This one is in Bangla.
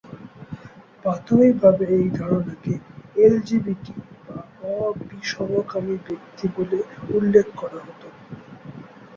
প্রাথমিকভাবে এই ধারণাকে এলজিবিটি বা অ-বিসমকামী ব্যক্তি বলে উল্লেখ করা হতো।